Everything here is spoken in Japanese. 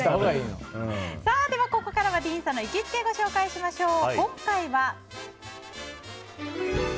ここからはディーンさんの行きつけをご紹介しましょう。